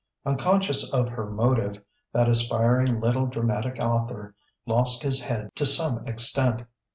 Unconscious of her motive, that aspiring little dramatic author lost his head to some extent.